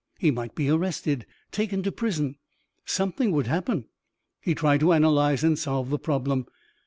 He might be arrested, taken to prison. Something would happen. He tried to analyze and solve the problem.